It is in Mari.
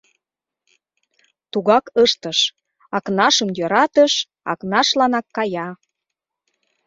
Тугак ыштыш: Акнашым йӧратыш, Акнашланак кая.